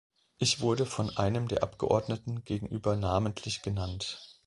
Ich wurde von einem der Abgeordneten gegenüber namentlich genannt.